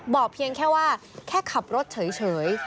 เพียงแค่ว่าแค่ขับรถเฉย